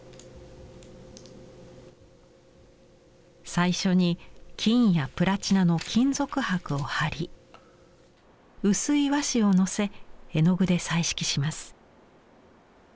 最初に金やプラチナの金属箔を貼り薄い和紙をのせ絵の具で彩色します。